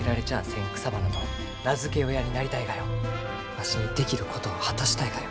わしにできることを果たしたいがよ。